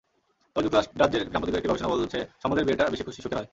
তবে যুক্তরাজ্যের সাম্প্রতিক একটি গবেষণা বলছে, সম্বন্ধের বিয়েটা বেশি সুখের হয়।